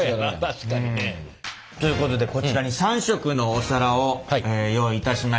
確かにね。ということでこちらに３色のお皿を用意いたしました。